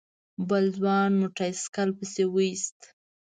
بل ځوان موټر سايکل پسې ويست.